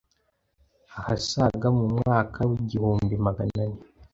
ahasaga mu mwaka w’i igihumbi magana ane.